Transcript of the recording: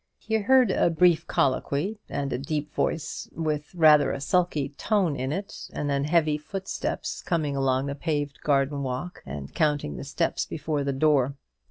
He heard a brief colloquy, and a deep voice with rather a sulky tone in it, and then heavy footsteps coming along the paved garden walk and counting the steps before the door.